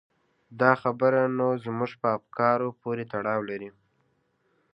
دا خبره نو زموږ په افکارو پورې تړاو لري.